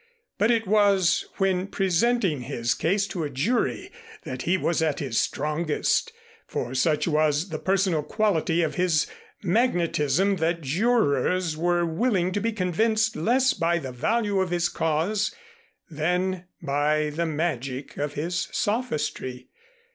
But it was when presenting his case to a jury that he was at his strongest, for such was the personal quality of his magnetism that jurors were willing to be convinced less by the value of his cause than by the magic of his sophistry.